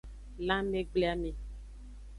Lanmegbleame.